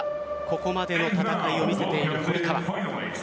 ここまでの戦いを見せている堀川。